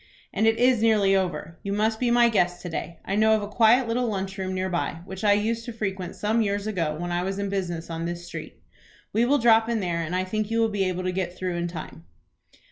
"And it is nearly over. You must be my guest to day. I know of a quiet little lunch room near by, which I used to frequent some years ago when I was in business on this street. We will drop in there and I think you will be able to get through in time."